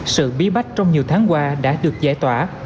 sự bí bách trong nhiều tháng qua đã được giải tỏa